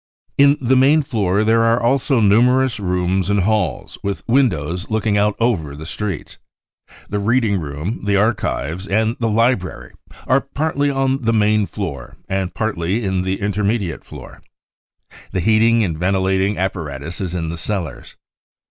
In the main floor there are also numerous rooms and halls with windows looking out over the streets. The reading room, the archives and the library are partly on the main floor, and partly in the intermediate floor. The heating and ventilating apparatus is in the cellars.